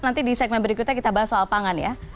nanti di segmen berikutnya kita bahas soal pangan ya